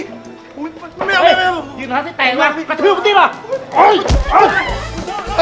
เฮ้ยอยู่ท้องทัศน์ไอ้แตงแล้วเราจะช่วยพี่